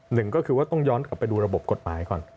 หนึ่งก็คือว่าต้องย้อนกลับไปดูระบบกฎหมายก่อน